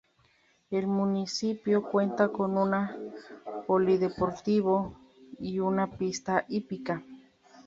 El municipio cuenta con un polideportivo y una pista hípica.